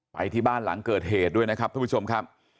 ไปที่บ้านหลังเกิดเหตุด้วยนะครับทุกผู้ชมครับ